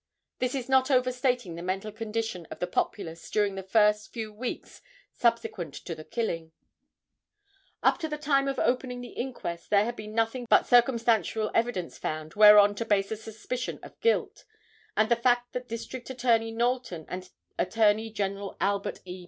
This is not overstating the mental condition of the populace during the first few weeks subsequent to the killing. [Illustration: JUDGE JOSIAH C. BLAISDELL.] Up to the time of opening the inquest there had been nothing but circumstantial evidence found whereon to base a suspicion of guilt, and the fact that District Attorney Knowlton and Attorney General Albert E.